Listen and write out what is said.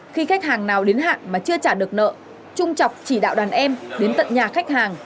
khi khách hàng nào đến hạn mà chưa trả được nợ trung trọng chỉ đạo đàn em đến tận nhà khách hàng